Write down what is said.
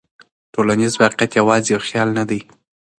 ټولنیز واقعیت یوازې یو خیال نه دی.